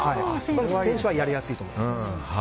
選手はやりやすいと思います。